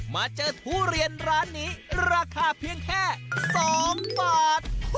มาเจอทุเรียนร้านนี้ราคาเพียงแค่๒บาท